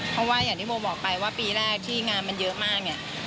เพราะว่าอย่างที่โบบอกไปว่าปีแรกที่งานมันเยอะมากเนี่ย